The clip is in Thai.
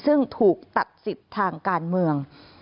ซึ่งถูกตัดสิทธิ์ทางการเมือง